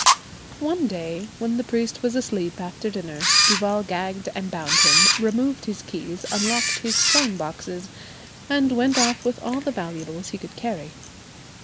One day, when the priest was asleep after dinner, Duval gagged and bound him, removed his keys, unlocked his strong boxes, and went off with all the valuables he could carry.